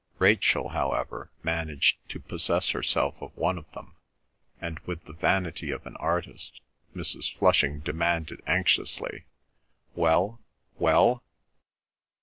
Rachel, however, managed to possess herself of one of them, and, with the vanity of an artist, Mrs. Flushing demanded anxiously, "Well, well?"